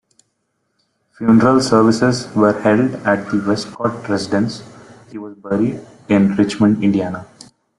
Funeral services were held at the Westcott residence; he was buried in Richmond, Indiana.